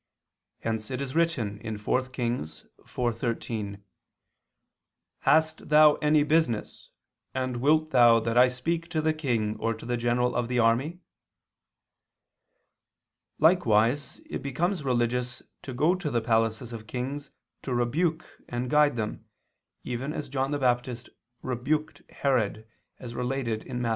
Hence it is written (4 Kings 4:13): "Hast thou any business, and wilt thou that I speak to the king or to the general of the army?" Likewise it becomes religious to go to the palaces of kings to rebuke and guide them, even as John the Baptist rebuked Herod, as related in Matt.